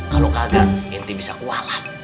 kalau kagak nt bisa kualat